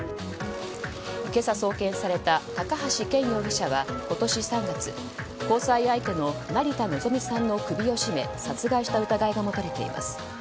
今朝送検された、高橋剣容疑者は今年３月、交際相手の成田のぞみさんの首を絞め殺害した疑いが持たれています。